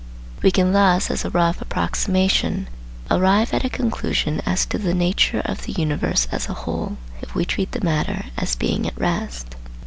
We can thus as a rough approximation arrive at a conclusion as to the nature of the universe as a whole, if we treat the matter as being at rest.